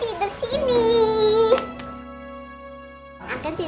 tante rosa ulang tahun